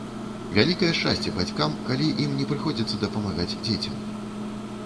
Вялікае шчасце бацькам, калі ім не прыходзіцца дапамагаць дзецям.